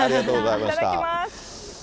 いただきます。